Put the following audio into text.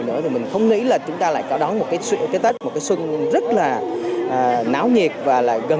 nữa thì mình không nghĩ là chúng ta lại có đón một cái tết một cái xuân rất là náo nhiệt và lại gần